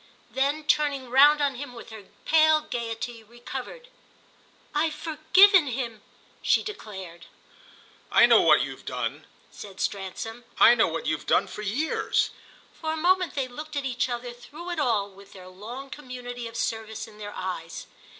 Then turning round on him with her pale gaiety recovered, "I've forgiven him!" she declared. "I know what you've done," said Stransom "I know what you've done for years." For a moment they looked at each other through it all with their long community of service in their eyes.